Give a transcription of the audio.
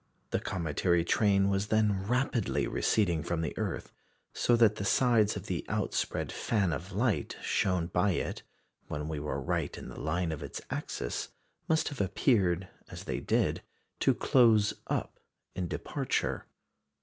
" The cometary train was then rapidly receding from the earth, so that the sides of the "outspread fan" of light shown by it when we were right in the line of its axis must have appeared (as they did) to close up in departure.